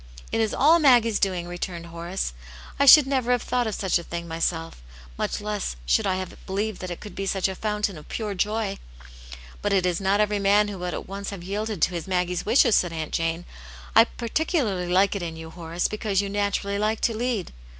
"^" It is all Maggie's doing," returned Horace. *' I should never have thought of such a thing myselt Much less should I have believed that it could be such a /ountain of pure joy." *'But it is not every man w\io nvouV^l ^X otvc^ V^n^ Aunt jfane^s Hero. 1 37 yielded to his Maggie's wishes," said Aunt Jane. " I particularly like it in you, Horace, because you natu rally like to lead."